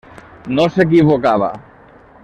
No s'equivocava.